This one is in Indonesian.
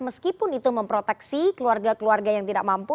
meskipun itu memproteksi keluarga keluarga yang tidak mampu